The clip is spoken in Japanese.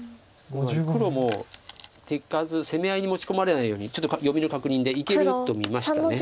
つまり黒も攻め合いに持ち込まれないようにちょっと読みの確認でいけると見ました。